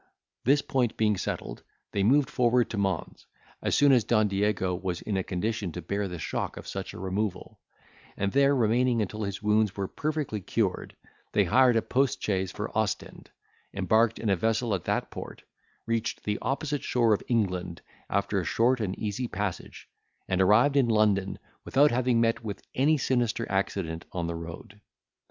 This point being settled, they moved forwards to Mons, as soon as Don Diego was in a condition to bear the shock of such a removal, and there remaining until his wounds were perfectly cured, they hired a post chaise for Ostend, embarked in a vessel at that port, reached the opposite shore of England, after a short and easy passage, and arrived in London without having met with any sinister accident on the road.